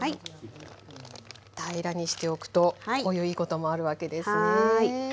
平らにしておくとこういういいこともあるわけですね。